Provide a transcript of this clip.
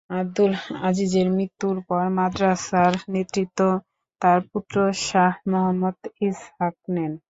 আবদুল আজিজের মৃত্যুর পরে মাদ্রাসার নেতৃত্ব তার পুত্র শাহ মুহাম্মদ ইসহাক নেন।